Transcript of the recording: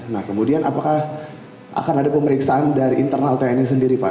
nah kemudian apakah akan ada pemeriksaan dari internal tni sendiri pak